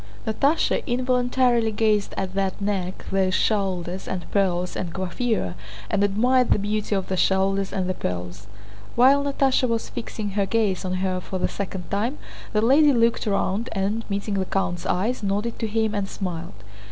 Natásha involuntarily gazed at that neck, those shoulders, and pearls and coiffure, and admired the beauty of the shoulders and the pearls. While Natásha was fixing her gaze on her for the second time the lady looked round and, meeting the count's eyes, nodded to him and smiled.